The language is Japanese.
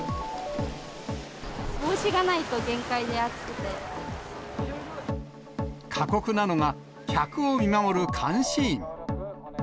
帽子がないと限界で、過酷なのが、客を見守る監視員。